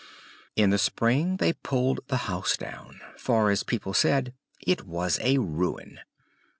In the spring they pulled the house down, for, as people said, it was a ruin.